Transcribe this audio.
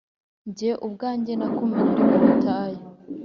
Jye ubwanjye nakumenye uri mu butayu